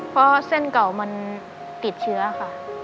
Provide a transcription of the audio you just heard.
เพราะเส้นเก่ามันติดเชื้อค่ะ